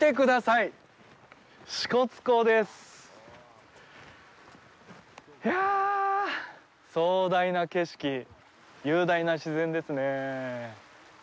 いや壮大な景色、雄大な自然ですねえ。